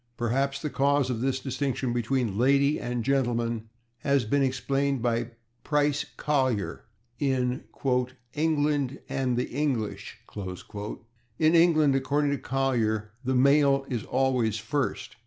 Perhaps the cause of this distinction between /lady/ and /gentleman/ has been explained by Price Collier in "England and the English." In England, according to Collier, the male is always first.